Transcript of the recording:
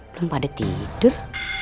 belum pada tidur